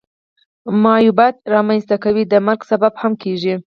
معیوبیت را منځ ته کوي د مرګ سبب هم کیږي.